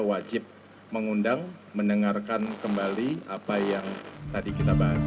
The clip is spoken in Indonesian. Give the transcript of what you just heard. wajib mengundang mendengarkan kembali apa yang tadi kita bahas